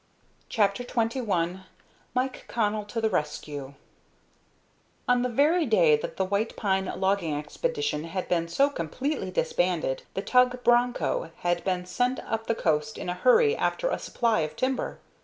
CHAPTER XXI MIKE CONNELL TO THE RESCUE On the very day that the White Pine logging expedition had been so completely disbanded, the tug Broncho had been sent up the coast in a hurry after a supply of timber.